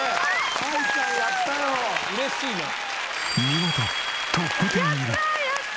見事トップ１０入り！